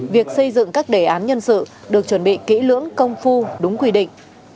việc xây dựng các đề án nhân sự được chuẩn bị kỹ lưỡng công phu đúng quy định